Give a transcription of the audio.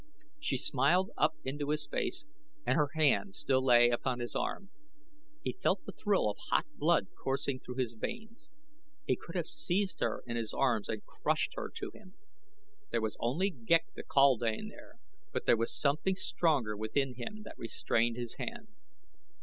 She smiled up into his face and her hand still lay upon his arm. He felt the thrill of hot blood coursing through his veins. He could have seized her in his arms and crushed her to him. There was only Ghek the kaldane there, but there was something stronger within him that restrained his hand.